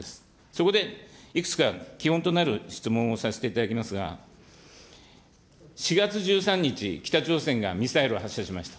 そこでいくつか基本となる質問をさせていただきますが、４月１３日、北朝鮮がミサイルを発射しました。